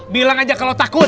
bilang aja kalau takut